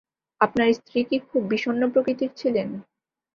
আপনার স্ত্রী কি খুব বিষণ্ণ প্রকৃতির ছিলেন?